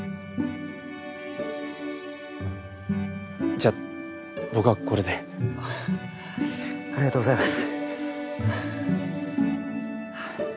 じゃ僕はこれで。ありがとうございます。